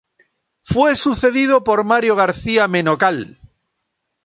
Fue sucedido por Mario García Menocal.